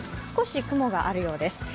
少し雲があるようです。